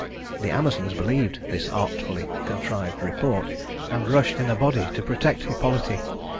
The Amazons believed this artfully contrived report, and rushed in a body to protect Hippolyte.